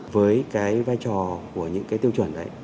với cái vai trò của những cái tiêu chuẩn đấy